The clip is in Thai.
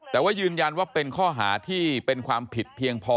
แต่ว่ายืนยันว่าเป็นข้อหาที่เป็นความผิดเพียงพอ